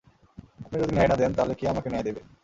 আপনি যদি ন্যায় না দেন, তাহলে কে আমাকে ন্যায় দেবে।